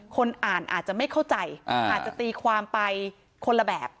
คนอ่านอาจจะไม่เข้าใจอาจจะตีความไปคนละแบบ